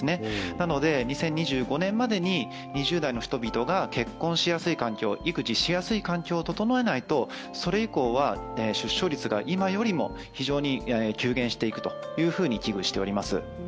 なので２０２５年までに２０代の人々が結婚しやすい環境育児しやすい環境を整えないとそれ以降は出生率が今よりも非常に急減していくというふうに危惧しております。